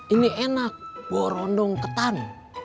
ini enak borondong ketan